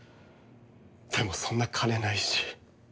でもそんな金ないし。